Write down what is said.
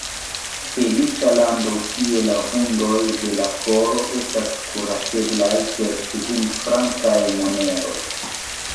Feliĉa lando, kie la vundoj de la koro estas kuraceblaj per kvin-frankaj moneroj!